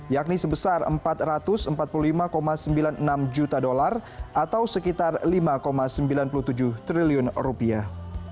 yakni sebesar empat ratus empat puluh lima sembilan puluh enam juta dolar atau sekitar lima sembilan puluh tujuh triliun rupiah